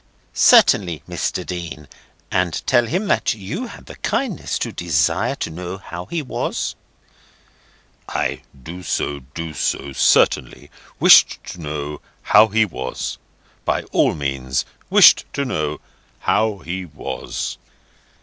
"Certainly, Mr. Dean. And tell him that you had the kindness to desire to know how he was?" "Ay; do so, do so. Certainly. Wished to know how he was. By all means. Wished to know how he was."